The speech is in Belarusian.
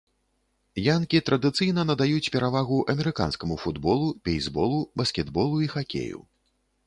Янкі традыцыйна надаюць перавагу амерыканскаму футболу, бейсболу, баскетболу і хакею.